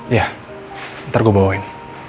iya ntar gue bawain